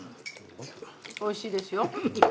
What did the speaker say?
おいしいですよ。